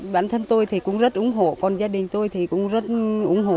bản thân tôi cũng rất ủng hộ còn gia đình tôi cũng rất ủng hộ